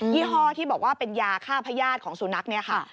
ี่ห้อที่บอกว่าเป็นยาฆ่าพญาติของสุนัขเนี่ยค่ะ